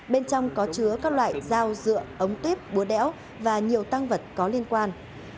bên trong có chứa các loại dao dựa ống tuyếp búa đéo và nhiều tăng vật có liên quan